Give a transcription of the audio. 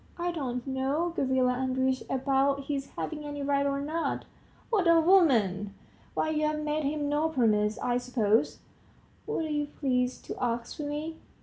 "I don't know, Gavrila Andreitch, about his having any right or not." "What a woman! why, you've made him no promise, I suppose ..." "What are you pleased to ask of me?"